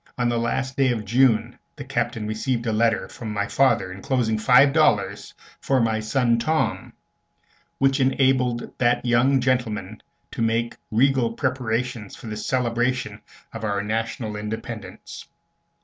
On the last day of June the Captain received a letter from my father, enclosing five dollars "for my son Tom," which enabled that young gentleman to make regal preparations for the celebration of our national independence.